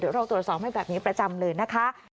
เดี๋ยวเราตรวจสอบให้แบบนี้ประจำเลยนะคะ